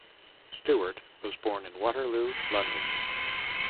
Stewart was born in Waterloo, London.